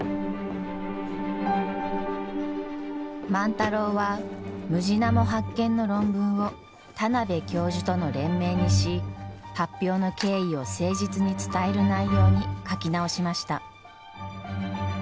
万太郎はムジナモ発見の論文を田邊教授との連名にし発表の経緯を誠実に伝える内容に書き直しました。